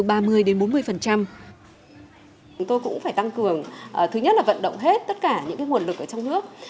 tôi cũng phải tăng cường thứ nhất là vận động hết tất cả những nguồn lực ở trong nước